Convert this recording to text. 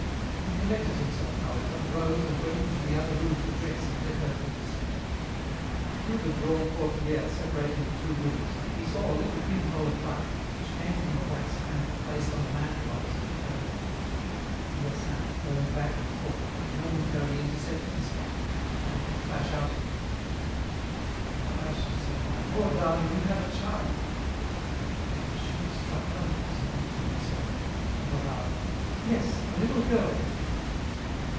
He collected himself, however, rose and went into the other room to dress and let her do the same. Through the drawn portière separating the two rooms he saw a little pinhole of light which came from the wax candle placed on the mantel opposite the curtain. Hyacinthe, going back and forth, would momentarily intercept this light, then it would flash out again. "Ah," she said, "my poor darling, you have a child." "The shot struck home," said he to himself, and aloud, "Yes, a little girl."